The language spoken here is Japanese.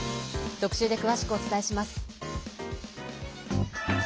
特集で詳しくお伝えします。